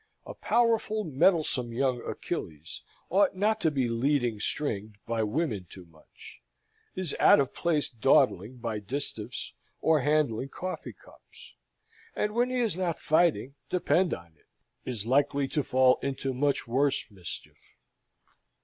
A powerful mettlesome young Achilles ought not to be leading stringed by women too much; is out of his place dawdling by distaffs or handing coffee cups; and when he is not fighting, depend on it, is likely to fall into much worse mischief.